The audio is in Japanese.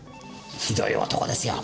ひどい男ですよ。